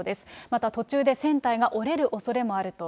また途中で船体が折れるおそれもあると。